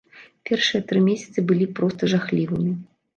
Першыя тры месяцы былі проста жахлівымі.